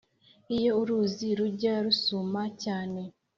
Iyo uruzi rujya rusuma cyane